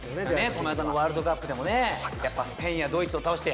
この間のワールドカップでもねやっぱスペインやドイツを倒して。